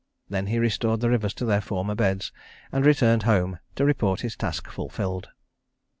Then he restored the rivers to their former beds, and returned home to report this task fulfilled.